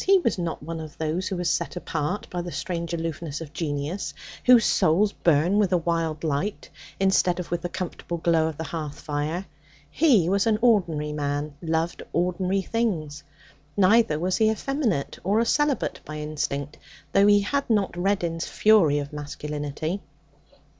He was not one of those who are set apart by the strange aloofness of genius, whose souls burn with a wild light, instead of with the comfortable glow of the hearth fire. He was an ordinary man, loved ordinary things. Neither was he effeminate or a celibate by instinct, though he had not Reddin's fury of masculinity.